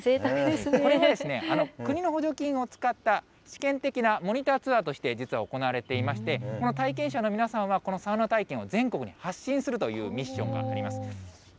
これ、国の補助金を使った試験的なモニターツアーとして実は行われていまして、この体験者の皆さんはサウナ体験を全国に発信するというミッションがあります。